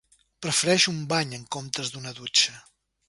Prefereix un bany, en comptes d"una dutxa.